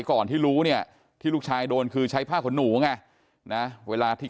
ก่อนที่รู้เนี่ยที่ลูกชายโดนคือใช้ผ้าขนหนูไงนะเวลาที่